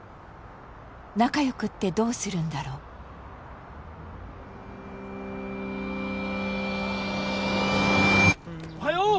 仲よくってどうするんだろうおはよう！